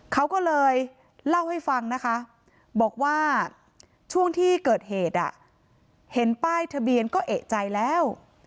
เขาก็เลยเล่าให้ฟังนะคะบอกว่าช่วงที่เกิดเหตุเห็นป้ายทะเบียนก็เอกใจแล้ว